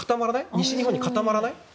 西日本に固まらない。